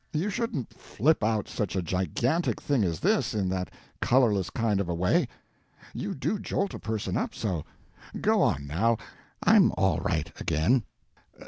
You shouldn't flip out such a gigantic thing as this in that colorless kind of a way. You do jolt a person up, so. Go on, now, I am all right again.